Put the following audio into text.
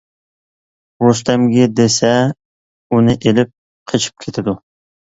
رۇستەمگە دېسە، ئۇنى ئېلىپ قېچىپ كېتىدۇ.